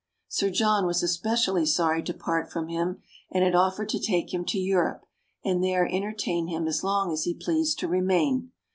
Sir John was especially sorry to part from him, and had offered to take him to Europe, and there entertain him as long as he pleased to remain.